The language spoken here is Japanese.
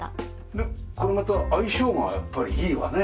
これまた相性がやっぱりいいわね。